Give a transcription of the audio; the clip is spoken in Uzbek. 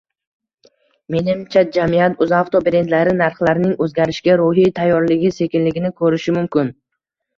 Menimcha, jamiyat Uzavto brendlari narxlarining o'zgarishiga ruhiy tayyorligi sekinligini ko'rishi mumkin